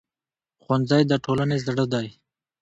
ښوونځی د ټولنې زړه دی